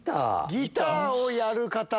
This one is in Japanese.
ギターをやる方。